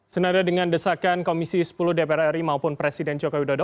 senada dengan desakan komisi sepuluh dpr ri maupun presiden joko widodo